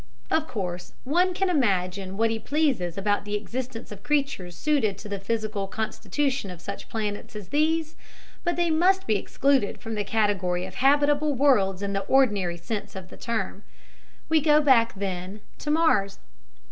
Of course, one can imagine what he pleases about the existence of creatures suited to the physical constitution of such planets as these, but they must be excluded from the category of habitable worlds in the ordinary sense of the term. We go back, then, to Mars.